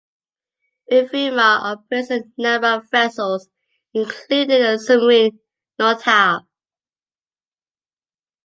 Ifremer operates a number of vessels, including the submarine "Nautile".